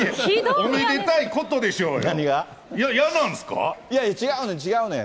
おめでたいことでしょうよ。